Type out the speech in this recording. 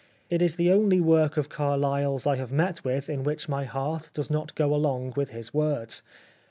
It is the only work of Carlyle' s I have met with in which my heart does not go along with his words.